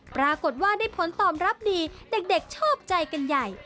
ปรากฏว่าได้ผลตอบรับดีเด็กชอบใจกันใหญ่